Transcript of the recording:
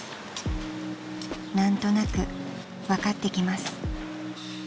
［何となく分かってきます］